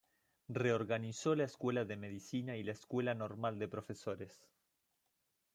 Reorganizó la Escuela de Medicina y la Escuela Normal de Profesores.